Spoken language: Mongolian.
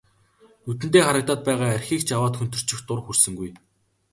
Нүдэндээ харагдаад байгаа архийг ч аваад хөнтөрчих дур хүрсэнгүй.